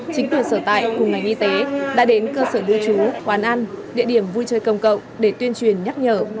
chính tuyển sở tại cùng ngành y tế đã đến cơ sở đưa chú quán ăn địa điểm vui chơi công cộng để tuyên truyền nhắc nhở